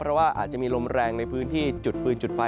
เพราะว่าอาจจะมีลมแรงในพื้นที่จุดฟืนจุดไฟ